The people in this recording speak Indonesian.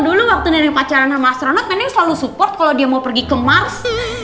dulu waktu dari pacaran sama astronot pendek selalu support kalau dia mau pergi ke mars